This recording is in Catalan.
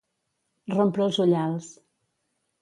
Rompre els ullals.